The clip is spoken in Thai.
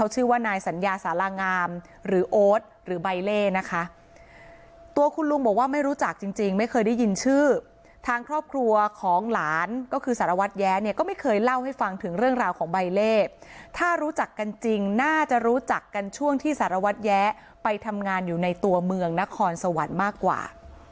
ต้องบอกว่าไม่รู้จักจริงไม่เคยได้ยินชื่อทางครอบครัวของหลานก็คือสารวัสแย้เนี่ยก็ไม่เคยเล่าให้ฟังถึงเรื่องราวของใบเลขถ้ารู้จักกันจริงน่าจะรู้จักกันช่วงที่สารวัสแย้ไปทำงานอยู่ในตัวเมืองนครสวรรค์มากกว่า